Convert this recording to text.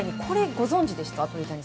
ご存じでした？